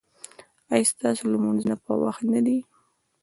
ایا ستاسو لمونځونه په وخت نه دي؟